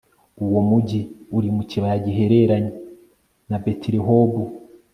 uwo mugi uri mu kibaya gihereranye na betirehobu